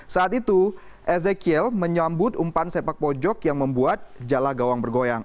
saat itu ezekiel menyambut umpan sepak pojok yang membuat jala gawang bergoyang